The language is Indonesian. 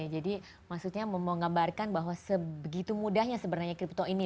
jadi maksudnya mau menggambarkan bahwa sebegitu mudahnya sebenarnya crypto ini